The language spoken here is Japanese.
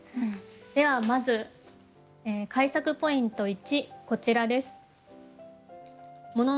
ではまず改作ポイント１こちらです。